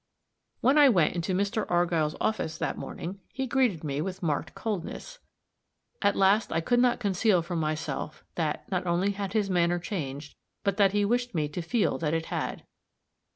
When I went into Mr. Argyll's office that morning, he greeted me with marked coldness. At last I could not conceal from myself that, not only had his manner changed, but that he wished me to feel that it had.